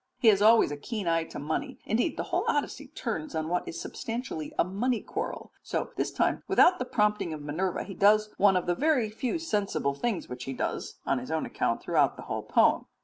He has always a keen eye to money; indeed the whole Odyssey turns on what is substantially a money quarrel, so this time without the prompting of Minerva he does one of the very few sensible things which he does, on his own account, throughout the whole poem.